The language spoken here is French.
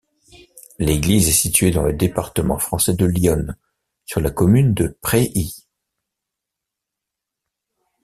L'église est située dans le département français de l'Yonne, sur la commune de Préhy.